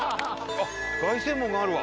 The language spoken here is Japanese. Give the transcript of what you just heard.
凱旋門があるわ。